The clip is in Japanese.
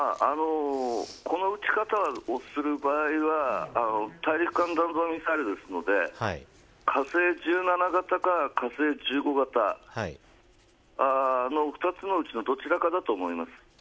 この撃ち方をする場合は大陸間弾道ミサイルなので火星１７型か火星１５型の２つのうちのどちらかだと思います。